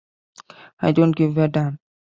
I don't give a damn.